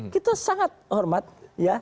kita sangat hormat ya